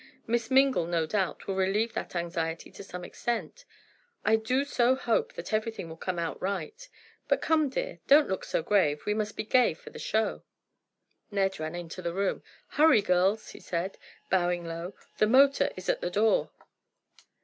Miss Mingle, no doubt, will relieve that anxiety to some extent. I do so hope that everything will come out right. But come, dear, don't look so grave, we must be gay for the show!" Ned ran into the room. "Hurry, girls," he said, bowing low, "the motor is at the door."